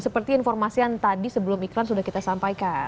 seperti informasian tadi sebelum iklan sudah kita sampaikan